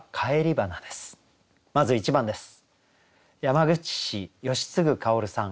まず１番です。